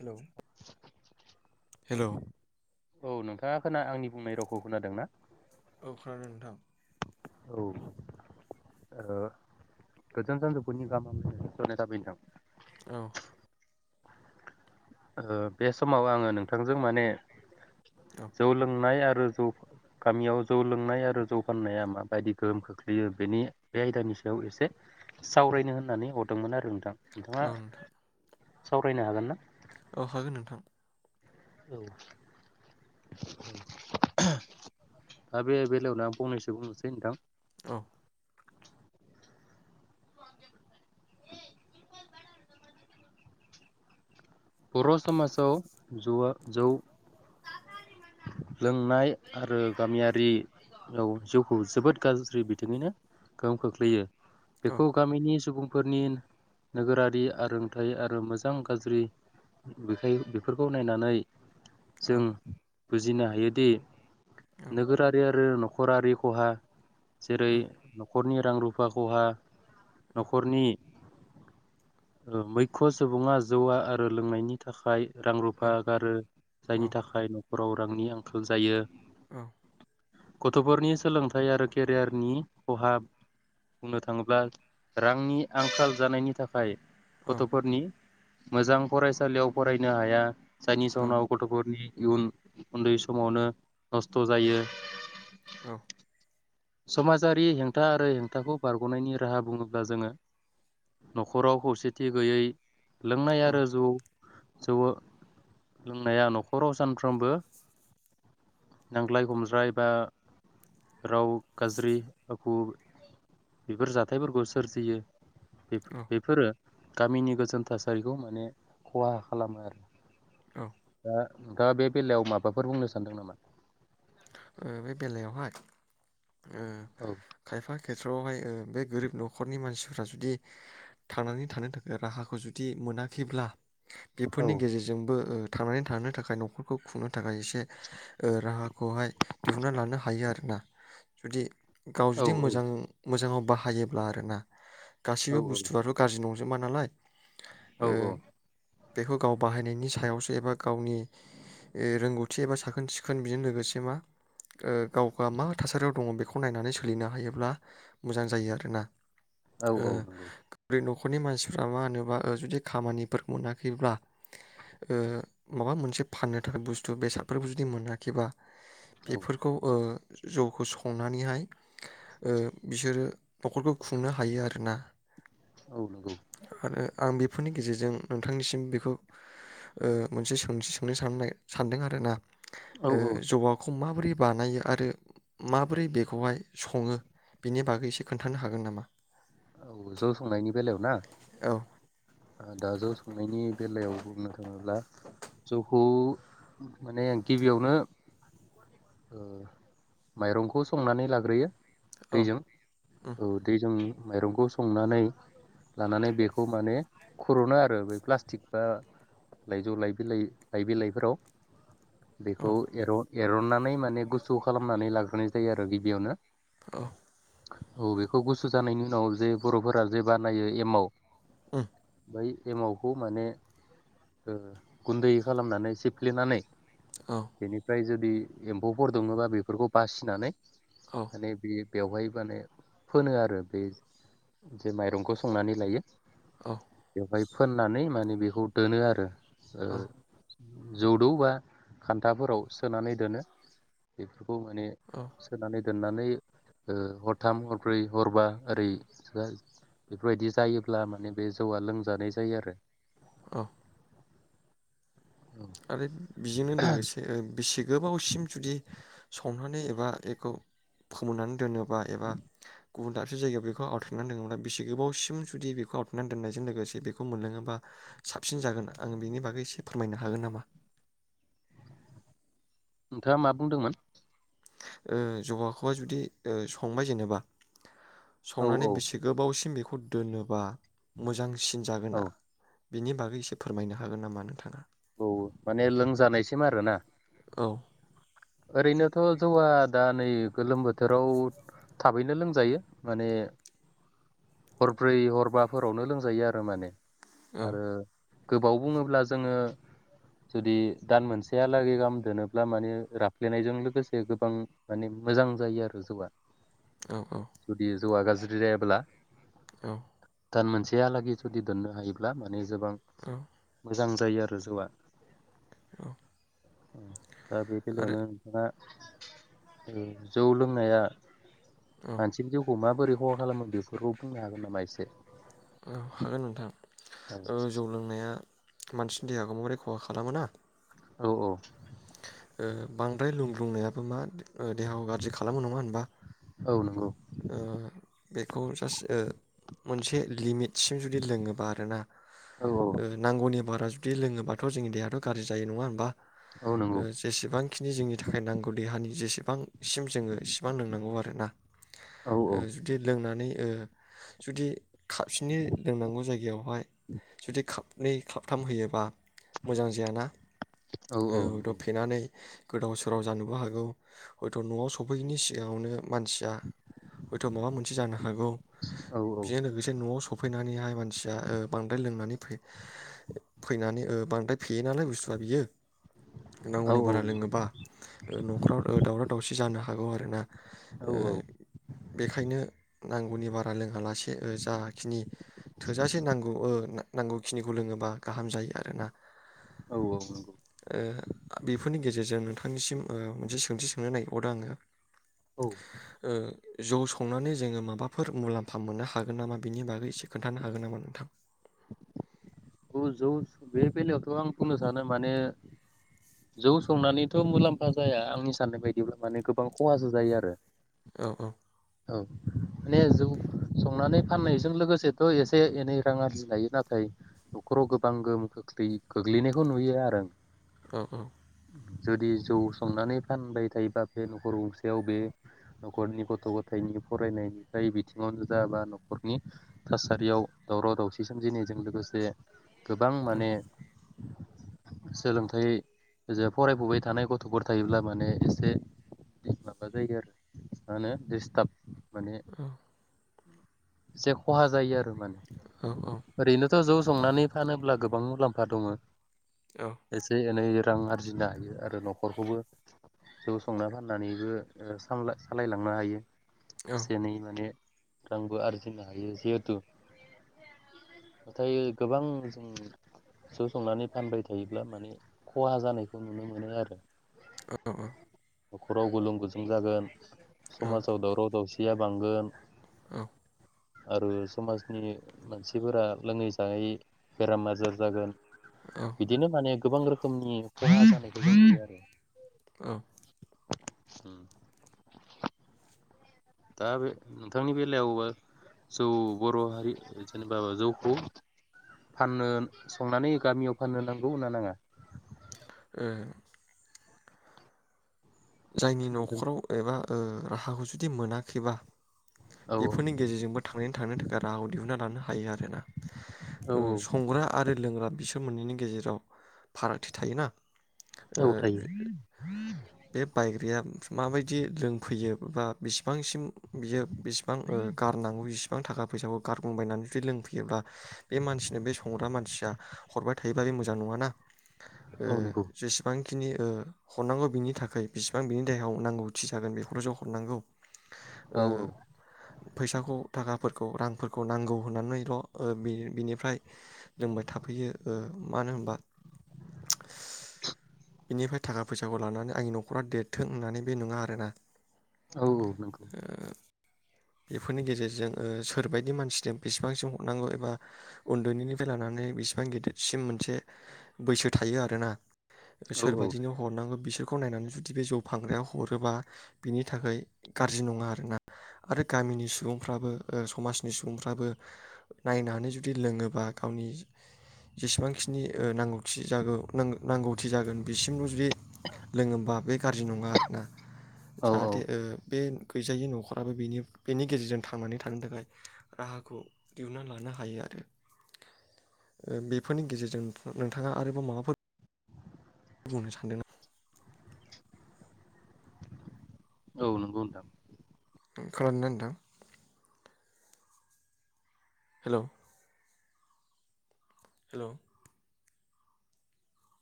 हेल'-हेल'। औ नोंथाङा खोना आंनि बुंनाय रावखौ खोनादों ना? औ खोनादों नोंथां। औ, ओ गोजान सानजौफुनि गाहाम हामब्लायनाय जासिहरनाय थाबाय नोंथां। औ। ओ बे समाव आङो नोंथांजों माने औ जौ लोंनाय आरो जौ, गामियाव जौ लोंनाय आरो जौ फाननाया माबायदि गोहोम खोख्लैयो बेनि बे आयदानि सायाव एसे सावरायनो होननानै हरदोंमोन आरो नोंथां। औ नोंथाङा। नोंथां सावरायनो हागोन ना? औ हागोन नोंथां। औ दा बे बेलायावनो आं फंनैसो बुंनोसै नोंथां, औ। बर' समाजाव जौवा जौ लोंनाय आरो गामियारियाव जिउखौ जोबोद गाज्रि बिथिङैनो गोहोम खोख्लैयो। औ बेखौ गामिनि सुबुं फोरनि नोगोरारि आरोंथाइ आरो मोजां-गाज्रि बेखाय बेफोरखौ नायनानै औ जों बुजिनो हायोदि औ नोगोरारि आरो नखरारि खहा उम जेरै- न'खरनि रां-रुफा खहा, औ नखरनि मैख' सुबुङा जौवारु आ रो लोंनायनि थाखाय औ रां-रुफा गारो औ जायनि थाखाय नख'राव रांनि आंखाल जायो। औ। गथ'फोरनि सोलोंथाइ आरो केरियारनि खहा बुंनो थाङोब्ला रांनि आंखाल जानायनि थाखाय गथ'फोरनि मोजां फरायसालियाव फरायनो हाया। जायनि जाउनाव गथ'फोरनि इयुना उन्दै समावनो नस्थ' जायो। औ। समाजारि हेंथा आरो हेंथाखौ बारग'नायनि राहा बुङोब्ला जोङो न'खराव खौसेथि गैयै लोंनाय औ आरो जौ जौ लोंनाया न'खराव सानफ्रोमबो नांज्लाय-खमज्लाय बा राव गाज्रि फोर बेफोर जाथायफोरखौ सोरजियो। बे-बेफोरो गामिनि गोजोन थासारिखौ माने खहा खालामो आरो। औ। दा बे बेलायाव माबाफोर बुंनो सानदों नामा? ओ बे बेलायावहाय ओ औ खायफा खेथ्रआवहाय ओ बे गोरिब न'खरनि मानसिफ्रा जुदि थांनानै थानो थाखाय राहाखौ जुदि मोनाखैब्ला। औ बेफोरनि गेजेरजोंबो ओ। थांनानै थानो थाखाय न'खरखौ खुं नों थाखाय एसे ओ राहा। बहाय दिहुनना लानो हायो आरोना। जुदि, गाव औ जुदि औ मोजां मोजाङाव। बाहायोब्ला आरोना। औ गासैबुस्थुआबो गाज्रि नं जोबा नालाय। ओ औ औ। बेखौ गाव बाहायनायनि सायावसो एबा गावनि रोंगौथि एबा साखोन सिखोनजों लोगोसे। मा गाव मा थासारियाव दङ बेखौ नायनानै सोलिनो हायोब्ला मोजां जायो आरोना। औ ओ औ नंगौ बै नख खरनि मानसिफ्रा मा होनोबा जुदि खामानिफोर मोनाखैब्ला माबा मोनसे फाननो थाखाय बुस्थु बेसादफोरखौ जुदि मोनाखैबा। औ बेफोरखौ अ जौखौ संनानैहाय बिसोरो न'खरखौ खुंनो हायो आरोना। औ नंगौ आरो आं बे बेफोरनि गेजेरजों नोंथांनिसिम बेखौ मोनसे सों सोंनो सान सानदों आर ना। औ औ। जगाखौ माबोरै बानायो आरो माबोरै बेखौहाय सङो बेनि बागै एसे खोन्थानो हागोन नामा? औ जौ संनायनि बेलायाव ना। औ। दा जौ संनायनि बेलायाव बुंनो थाङोब्ला जौखौ माने गिबियावनो माइरंखौ संनानै लाग्रोयो। औ दैजों उम औ दैजों माइरंखौ संनानै लानानै बेखौ माने खर'नो आरो ब प्लास्टिक बा लाइजौइलाइ लाइ बिलाइफोराव। औ बेखौ एरड एरननानै माने गुसु खालामनानै लाग्रोनाय जायो आरो गिबियावनो औ। औ बेखौ गुसु जानायनि उनाव जे बर'फोरा जे बानायो एमाव उम। बै एमावखौ माने ओ गुन्दै खालामनानै सिफ्लेनानै औ बेनिफ्राय जुदि बे एम्फौफोर दङोबा बेफोरखौ बासिनानै आरो औ बे बेवहाय माने फोनो आरो बे जे माइरंखौ संनानै लायो। औ। बाय फोननानै माने बेखौ दोनो आरो। ओ औ जौदौ बा खान्थाफोराव सोनानै दोनो बे खौ माने औ सोनानै दोननानै ओ हरथाम हरब्रै हरबा ओरै बेफोरबायदि जायोब्ला माने बे जौआ लोंजानाय जायो आरो। औ। औ आरो बेजोंनो लोगोसे बेसे गोबावसिम जुदि संनानै एबा बेखौ फोमोननानै दोनो बा एबा गुबुन दाबसे जायगायाव बेखौ आवथारनानै दोनङोब्ला बेसे गोबावसिम जुदि बेखौ आवथारनानै दोननायजों लोगोसे बेखौ मोनलोङोबा साबसिन जागोन आं बेनि बागै एसे फोरमायना हागोन नामा? नोंथाङा मा बुंदोंमोन? ओ जौबाहाखौहाय जुदि ओ संबाय जेनेबा औ औ सावनानै बेसे गोबावसिम बेखौ दोनोबा मोजां औ सिनजागोना बिनि बागै एसे फोरमायनो हागोन नामा नोंथाङा? औ माने लोंजानायसिम आरोना। औ। ओरैनोथ' जौआ दा नै गोलोम बोथोराव थाबैनो लोंजायो माने हरब्रै हरबाफोरावनो लोंजायो आरो माने औ आरो गोबाव बुङोब्ला जोङो जुदि दान मोनसेयालागै गाहाम दोनोब्ला माने राफ ग्लेनायजों लोगोसे गोबां माने मोजां जायो आरो जौआ। औ औ। जुदि जौआ गाज्रि जायाब्ला औ। दान मोनसेयालागै जुदि दोननो हायोब्ला माने गोबां औ मोजां जायो आरो जौआ औ। औ दा बे आरो बेलयावनो दा जौ लोंनाया औ मानसिनि जिउखौ माबोरै खहा खालामो बेफोरखौ बुंनो हागोन नामा एसे? औ हागोन नोंथां। ओ जौ लोंनाया मानसिनि देहाखौ माबोरै खहा खालामोना? औ औ। बांद्राय लुंब्रुंनायाबो मा देहाखौ गाज्रि खालामो नङा होनबा औ नंगौ ओ बेखौ जास्ट मोनसे लिमिट से जुदि लोङोबा आरोना औ औ नांगौनि बारा बिदि लोङोबाथ' जोंनि देहाथ' गाज्रि जायो नङा होनबा? औ अ नंगौ जेसेबांखिनि जोंनि थाखाय नांगौ देहानि जेसे बां सिम जोङो इसिबां लोंनांगौ आरोना औ ओ जुदि लोंनानै ओ जुदि खाबसेनि लोंनांगौ जायगायावहाय जुदि खाबनै खाबथाम होयोबा मोजां जायाना औ थब- नानै गोदाव सोराव जानोबो हागौ हयथ' न'आव सफैनि सिगाङावनो मानसिया हयथ' माबा मोनसे जानो हागौ औ औ बेजों लोगोसे न'आव सफ फैनानैहाय मानसिया ओ बांद्राय लोंनानै फै-फैनानै ओ बांद्राय फेयो नालाय बुस्थुआ बियो नांगौनि बारा औ नंगौ लोङोबा न'खराव दावराव दावसि जानो हा हागौ आरो ना औ ओ बेखायनो नांगौनि बारा लोंङालासि ओ जाखिनि थोजासे नांगौ ओ ना नांगौखिनिखौ लोङोबा गाहाम जायो आरोना। औ औ नंगौ। ओ बेफोरनि गेजेरजों नोंथांनिसिम अ मोनसे सोंथि सोंनो नागिरबावदो आङो औ ओ जौ संनानै जोङो माबाफोर मुलाम्फा मोननो हागोन नामा बिनि बागै एसे खोन्थानो हागोन नामा नोंथां? औ जौ बे बेलायावथ' आं बुंनो सानो माने जौ संनानैथ' मुलाम्फा जाया आंनि साननाय बायदिब्ला माने गोबां खहासो जायो आरो औ औ औ माने जौ संनानै फाननायजों लोगोसेथ' एसे एनै रां आरजि लायो नाथाय न'खराव गोबां गोहोम खोख्लै गोग्लैनायखौ नुयो आरो औ औ जुदि जौ संनानै फानबाय थायोबा बे न'खर गंसेयाव बे न'खरनि गथ' ग- थायनि फरायनायनिफ्राय बिथिङावनो जा बा न'खरनि थासारियाव दावराव दावसि सोमजिनायजों लोगोसे गोबां औ माने सोलोंथाइ जे फरायफुबाय थानाय गथ'फोर थायोब्ला माने एसे माबा जायो आरो मा होनो दिस- थाब माने जे खहा जायो आरो माने औ औ ओरैनोथ' जौ संनानै फानोब्ला गोबां मुलाम्फा दङ औ एसे एनै रां आरजिनो हायो आरो न'खरखौबो जौ संना फाननानैबो ओ सामला सालायलांनो हायो एसे एनै माने रांबो आरजिनो हायो जिहेथु नाथाय गोबां जों जौ संनानै फानबाय थायोब्ला माने खहा जानायखौ नुनो मोनो आरो औ औ न'खराव गुलुं गुजुं जागोन औ समाजाव दावराव दावसिया बांगोन औ आरो समाजनि मानसिफोरा लोङै जायै बेराम आजार जागोन बिदिनो माने गोबां रोखोम रोखोमनि खहा जानायखौ आरो औ उम दा बे नोंथांनि बेलायाव ओ जौ बर' हारि जेनेबा जौखौ फाननो संनानै गामियाव फाननो नांगौ होनना नाङा ओ जायनि नोंथां न'खराव एबा ओ राहाखौ जुदि मोनाखैबा औ बेफोरनि गेजेरजोंबो थांनानै थांनो थाखाय राहाखौ दिहुनना लानो हायो आरो योना औ ओ संग्रा आरो लोंग्रा बिसोर बे मोनैनि गेजेराव फारागथि थायोना औ ओ थायो बे बायग्राया माबायदि लोंफैयो बा बिसिबांसिम बियो बेसेबां ओ गारनांगौ बिसिबां थाखा फैसाखौ गारग्लुंबायनानै जुदि लोंफैयोब्ला बे मानसिनो बे संग्रा मानसिया हरबाय थायोबा बे मोजां नङाना ओ औ नंगौ जेसेबां खिनि ओ हरनांगौ बिनि थाख खै बिसिबां बिनि देहायाव नांगौथि जागोन बेखौल'सो हरनांगौ। ओ औ औ फैसाखौ थाखाफोरखौ रांफोरखौ नांगौ होननानैल' ओ बिनि बिनिफ्राय लोंबाय थाफैयो ओ मानो होनबा [unintelligible] बेनिफ्राय थाखा फैसाखौ लानानै आंनि न' नख'रा देरथों होननानै बे नङा आरोना औ औ नंगौ। बेफोरनि गेजेरजों ओ सोरबायदि मानसिजों बेसेबांसिम हरनांगौ एबा उन्दैनिनिफ्राय लानानै बेसेबां गिदिरसिम मोनसे बैसो थायो आरोना औ सोरबादिनो हरनांगौ बिसोर खौ नायनानै जु जुदि बे जौ फानग्राया हरोबा बिनि थाखाय गारजि नङा आरोना आरो गामिनि सुबुंफ्राबो ओ समाजनि सुबुंफ्राबो नायनानै जुदि लोङोबा गावनि जेसेबांखिनि ओ नांगौथि जागौ नांगौ नांगौथि जागोन बिसिमल' जुदि लोङोबा बेख गारजि नङा आरोना औ जाहाथे ओ बे गैजायि न'खराबो बेनि बेनि गेजेरजों थांनानै थानो थाखाय राहाखौ दिहुनना लानो हायो आरो ओ बेफोरनि गेजेरजों नोंथाङा आरोबाव माबाफोर बुंनो सानदों ना? औ नंगौ नोंथां। ओ खोनादोना नोंथां? हेल' हेल'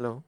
हेल'